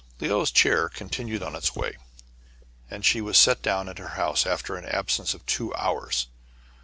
Le ou*s chair continued on its way, and she was set down at her house after an absence of two hours.